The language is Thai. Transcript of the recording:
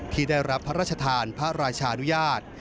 ที่ได้รับพระราชทานพระราชานุญาต